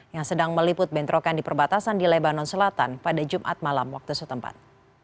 yang sedang meliput bentrokan di perbatasan di lebanon selatan pada jumat malam waktu setempat